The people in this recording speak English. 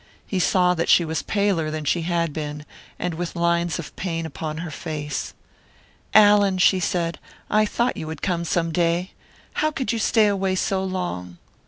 He saw that she was paler than she had been, and with lines of pain upon her face. "Allan!" she said. "I thought you would come some day. How could you stay away so long?"